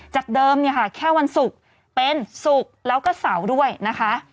จากเดิมเนี่ยค่ะแค่วันศุกร์เป็นศุกร์แล้วก็เสาร์ด้วยนะคะ